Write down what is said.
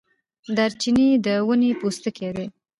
دارچینی د ونې پوستکی دی